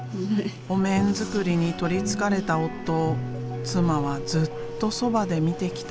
お面作りに取りつかれた夫を妻はずっとそばで見てきた。